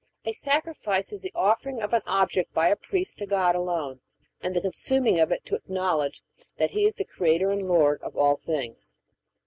A sacrifice is the offering of an object by a priest to God alone, and the consuming of it to acknowledge that He is the Creator and Lord of all things.